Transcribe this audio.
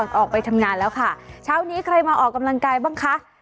ออกไปทำงานแล้วค่ะเช้านี้ใครมาออกกำลังกายบ้างคะ